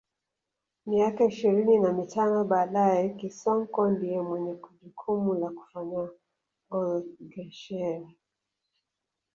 Miaka ishirini na mitano baadae Kisonko ndiye mwenye jukumu la kufanya olghesher